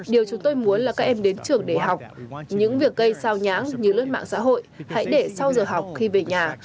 điều chúng tôi muốn là các em đến trường để học những việc gây sao nhãng như lướt mạng xã hội hãy để sau giờ học khi về nhà